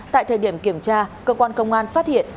tại thời điểm kiểm tra cơ quan công an phát hiện